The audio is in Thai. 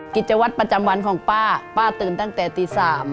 กิจวัตรประจำวันของป้าป้าตื่นตั้งแต่ตี๓